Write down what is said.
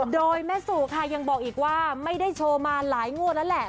โดยแม่สู่ค่ะยังบอกอีกว่าไม่ได้โชว์มาหลายงวดแล้วแหละ